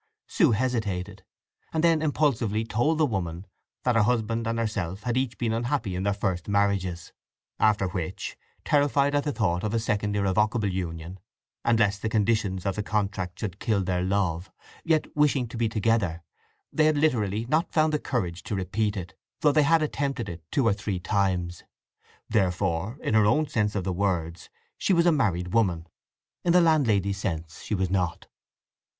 Sue hesitated; and then impulsively told the woman that her husband and herself had each been unhappy in their first marriages, after which, terrified at the thought of a second irrevocable union, and lest the conditions of the contract should kill their love, yet wishing to be together, they had literally not found the courage to repeat it, though they had attempted it two or three times. Therefore, though in her own sense of the words she was a married woman, in the landlady's sense she was not.